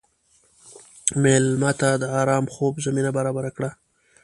مېلمه ته د ارام خوب زمینه برابره کړه.